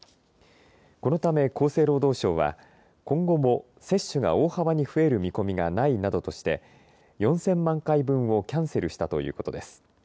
このため厚生労働省は今後も接種が大幅に増える見込みがないなどとして４０００万回分をキャンセルしたということです。